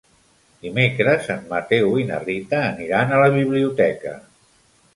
Dimecres en Mateu i na Rita aniran a la biblioteca.